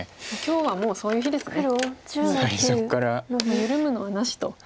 緩むのはなしと。